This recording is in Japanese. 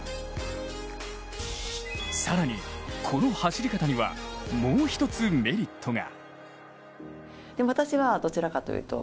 更に、この走り方にはもう一つメリットが。